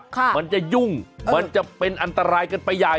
มันจะยุ่งมันจะเป็นอันตรายกันไปใหญ่